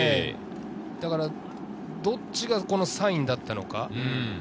だからどっちのサインだったのか。